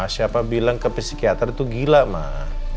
siapa bilang ke psikiater itu gila mah